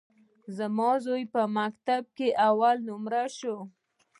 زما زوى په مکتب کښي اول نؤمره سو.